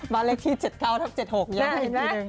มาเลขที่๗๙ทั้ง๗๖ยังไม่เห็นอีกหนึ่ง